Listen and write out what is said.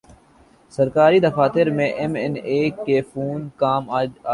سرکاری دفاتر میں ایم این اے کا فون کام آجا تا ہے۔